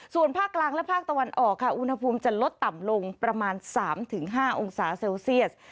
ส่วนภาคกลางและภาคตะวันออกค่ะอุณหภูมิจะลดต่ำลงประมาณ๓๕องศาเซลเซียส